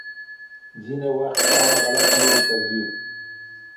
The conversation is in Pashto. ځينې وخت قهر غلط لوري ته ځي.